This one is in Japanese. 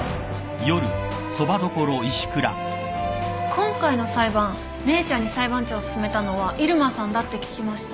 今回の裁判姉ちゃんに裁判長すすめたのは入間さんだって聞きました。